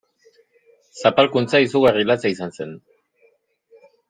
Zapalkuntza izugarri latza izan zen.